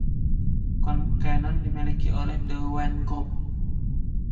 Concannon dimiliki oleh The Wine Group.